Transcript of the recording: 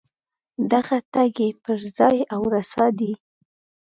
دغه ټکی پر ځای او رسا دی.